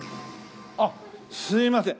あっすいません。